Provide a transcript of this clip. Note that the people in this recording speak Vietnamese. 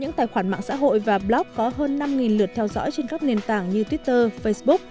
những tài khoản mạng xã hội và blog có hơn năm lượt theo dõi trên các nền tảng như twitter facebook